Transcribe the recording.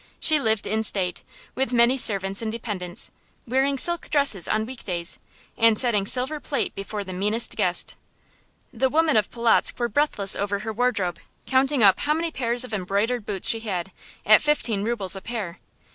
She lived in state, with many servants and dependents, wearing silk dresses on week days, and setting silver plate before the meanest guest. The women of Polotzk were breathless over her wardrobe, counting up how many pairs of embroidered boots she had, at fifteen rubles a pair.